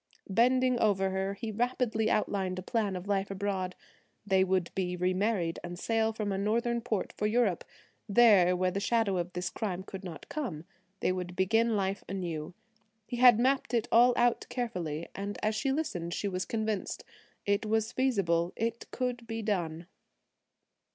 Bending over her he rapidly outlined a plan of life abroad. They would be remarried, and sail from a Northern port for Europe; there, where the shadow of this crime could not come, they would begin life anew. He had mapped it all out carefully and as she listened she was convinced–it was feasible; it could be done.